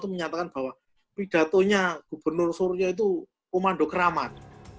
menyatakan bahwa pidatonya gubernur suryo itu umandu keramat